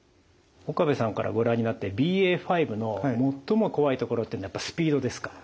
岡部さんからご覧になってＢＡ．５の最も怖いところっていうのはスピードですか？